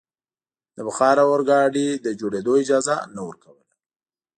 د بخار اورګاډي د جوړېدو اجازه نه ورکوله.